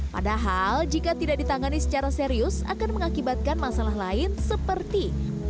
padahal jika tidak ditangani secara serius akan mengakibatkan masalah lain seperti